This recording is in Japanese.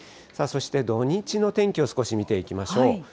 そして、土日の天気を少し見ていきましょう。